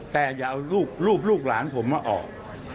แต่อย่าเอารูปลูกหลานผมมาออก